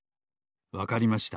わかりました。